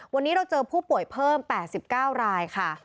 วันนี้เราเจอผู้ป่วยเพิ่ม๘๙รายค่ะ